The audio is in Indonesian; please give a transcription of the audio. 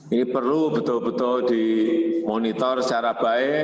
ini perlu betul betul dimonitor secara baik